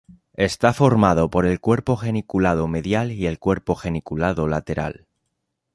Está formado por el cuerpo geniculado medial y el cuerpo geniculado lateral.